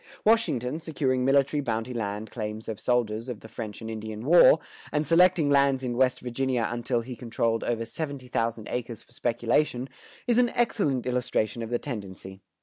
Washington, securing military bounty land claims of soldiers of the French and Indian War, and selecting lands in West Virginia until he controlled over seventy thousand acres for speculation, is an excellent illustration of the tendency.